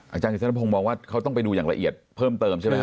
อาจารย์พงศ์มองว่าเขาต้องไปดูอย่างละเอียดเพิ่มเติมใช่ไหมครับ